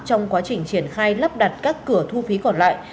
trong quá trình triển khai lắp đặt các cửa thu phí còn lại